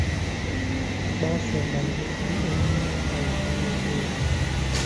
Baasomba ebintu ennyumba yonna nejjula.